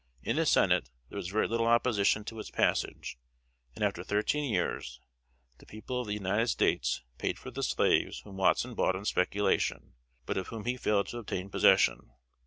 In the Senate there was very little opposition to its passage; and after thirteen years, the people of the United States paid for the slaves whom Watson bought on speculation, but of whom he failed to obtain possession.